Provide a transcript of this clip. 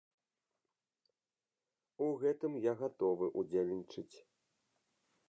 У гэтым я гатовы ўдзельнічаць.